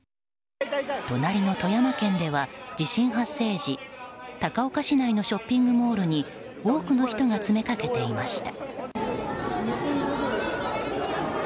隣の富山県では、地震発生時高岡市内のショッピングモールに多くの人が詰めかけていました。